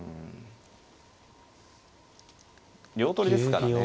両取りですからね。